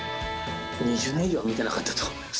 ２０年以上は見ていなかったと。